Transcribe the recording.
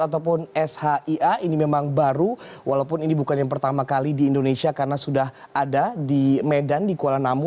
ataupun shia ini memang baru walaupun ini bukan yang pertama kali di indonesia karena sudah ada di medan di kuala namu